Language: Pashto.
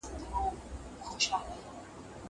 زه به ښوونځی ته تللي وي.